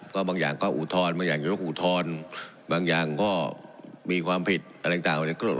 ก็บางอย่างก็อุทธรณ์บางอย่างยกอุทธรณ์บางอย่างก็มีความผิดอะไรต่าง